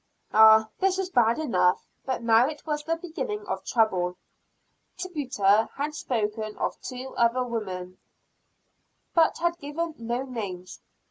Ah this was bad enough, but it was but the beginning of trouble. Tituba had spoken of two other women, but had given no names.